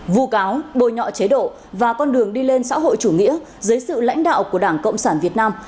vu cáo bôi nhọ chế độ và con đường đi lên xã hội chủ nghĩa dưới sự lãnh đạo của đảng cộng sản việt nam